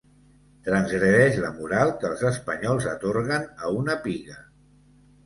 Transgredeix la moral que els espanyols atorguen a una piga.